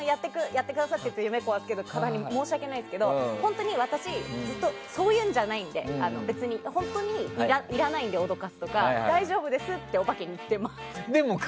やってくださった方とか夢壊すんですけど本当に私ずっとそういうんじゃないんで別に、本当にいらないので、脅かすとか大丈夫ですっておばけに言って回って。